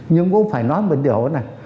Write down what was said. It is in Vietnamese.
nhưng cũng phải nói một điều là